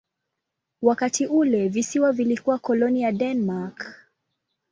Wakati ule visiwa vilikuwa koloni ya Denmark.